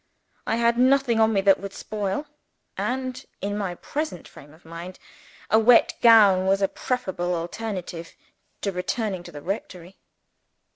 I had nothing on me that would spoil; and, in my present frame of mind, a wet gown was a preferable alternative to returning to the rectory.